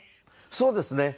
そうですね。